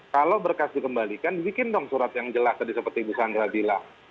kalau berkas dikembalikan dibikin dong surat yang jelas tadi seperti ibu sandra bilang